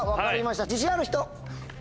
自信ある人！